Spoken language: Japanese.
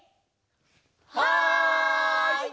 はい！